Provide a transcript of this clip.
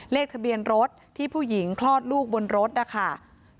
เลขทะเบียนรถที่ผู้หญิงคลอดลูกบนรถนะคะ